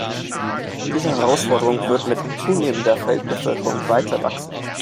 Diese Herausforderung wird mit zunehmender Weltbevölkerung weiter wachsen.